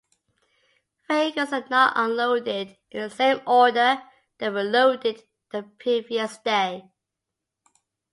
Vehicles are not unloaded in the same order they were loaded the previous day.